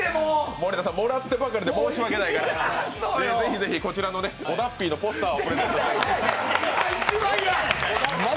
森田さん、もらってばかりで申し訳ないからぜひぜひ、こちらの小田ッピーのポスターを。